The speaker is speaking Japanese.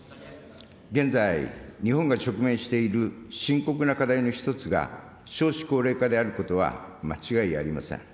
現在、日本が直面している深刻な課題の１つが少子高齢化であることは間違いありません。